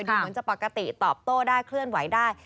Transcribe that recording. ดูเหมือนจะปกติตอบโต้ได้เคลื่อนไหวได้